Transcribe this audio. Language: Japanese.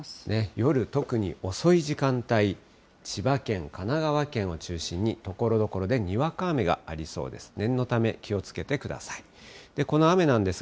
夜、特に遅い時間帯、千葉県、神奈川県を中心に、ところどころでにわか雨がありそうです。